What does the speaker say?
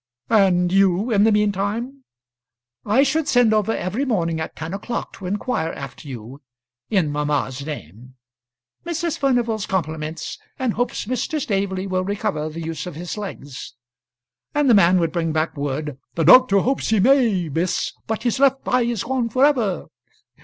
"And you in the mean time " "I should send over every morning at ten o'clock to inquire after you in mamma's name. 'Mrs. Furnival's compliments, and hopes Mr. Staveley will recover the use of his legs.' And the man would bring back word: 'The doctor hopes he may, miss; but his left eye is gone for ever.'